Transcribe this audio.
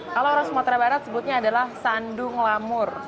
kalau orang sumatera barat sebutnya adalah sandung lamur